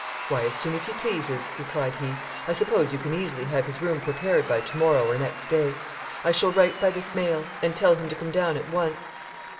"Why, as soon as he pleases," replied he, "I suppose you can easily have his room prepared by tomorrow or next day. I shall write by this mail, and tell him to come down at once."